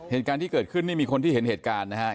เหตุการณ์ที่เกิดขึ้นนี่มีคนที่เห็นเหตุการณ์นะฮะ